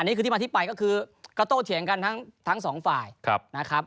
นี่คือที่มาที่ไปก็คือก็โต้เถียงกันทั้งสองฝ่ายนะครับ